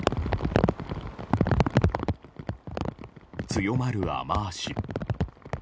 強まる雨脚。